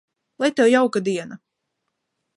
Lai Tev jauka diena!